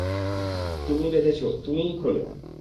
তুমি বেঁধেছ, তুমিই খোলো।